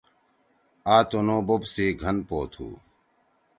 آ تُنُو بوپ سی گھن پو تُھو۔